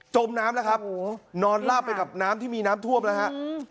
มน้ำแล้วครับนอนลาบไปกับน้ำที่มีน้ำท่วมแล้วฮะ